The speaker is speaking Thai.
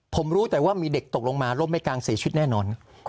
ผมรู้แต่ว่ามีเด็กตกลงมาร่มไม่กลางเสียชีวิตแน่นอน